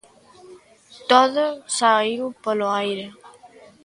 Todo saíu polo aire.